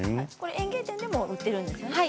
園芸店でも売っているんですよね。